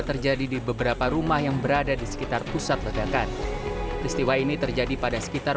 terjadi di beberapa rumah yang berada di sekitar pusat ledakan peristiwa ini terjadi pada sekitar